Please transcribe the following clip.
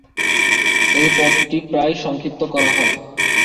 এই পদটি প্রায়ই সংক্ষিপ্ত করা হয়।